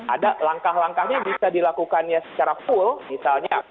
ada langkah langkahnya bisa dilakukannya secara full misalnya